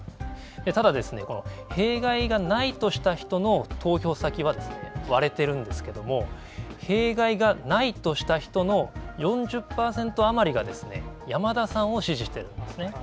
ただ、弊害がないとした人の投票先は割れているんですけれども、弊害がないとした人の４０％余りが山田さんを支持しているんですね。